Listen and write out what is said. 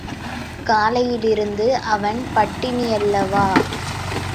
காலையிலிருந்து அவன் பட்டினியல்லவா!